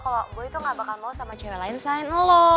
kalau gue itu gak bakal mau sama cewek lain selain lo